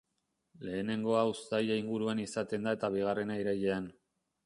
Lehenengoa uztaila inguruan izaten da eta bigarrena irailean.